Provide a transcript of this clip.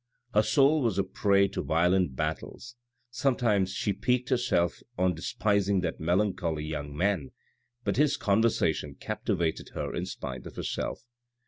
Her soul was a prey to violent battles; sometimes she piqued herself on despising that melancholy young man, but his conversation captivated her in spite of herself.